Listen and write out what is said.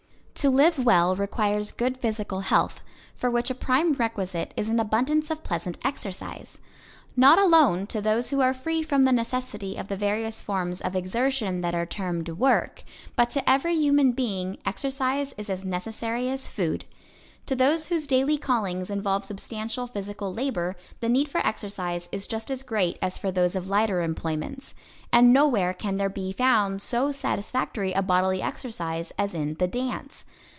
To live well requires good physical health, for which a prime requisite is an abundance of pleasant exercise. Not alone to those who are free from the necessity of the various forms of exertion that are termed "work," but to every human being, exercise is as necessary as food. To those whose daily callings involve substantial physical labor, the need for exercise is just as great as for those of lighter employments. And nowhere can there be found so satisfactory a bodily exercise as in the dance.